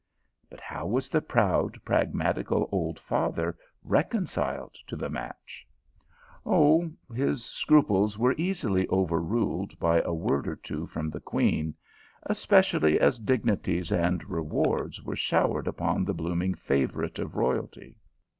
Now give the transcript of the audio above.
But how was the proud pragmatical old father reconciled to the match ? Oh, his scruples were easily overruled by a word or two from the queen, especially as dignities and rewards were showered upon the blooming favour ite of royalty.